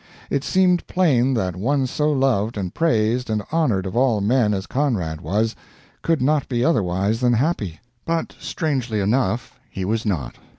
It seemed plain that one so loved and praised and honored of all men as Conrad was could not be otherwise than happy. But strangely enough, he was not.